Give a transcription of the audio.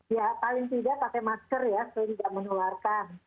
ya paling tidak pakai masker ya paling tidak menuarkan